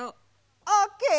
オッケー！